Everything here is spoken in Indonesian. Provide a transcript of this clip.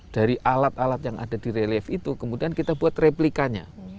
dari alat alat yang ada di relief itu kemudian kita buat replikanya